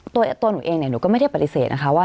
ตัวหนูเองหนูก็ไม่ได้ปฏิเสธนะคะว่า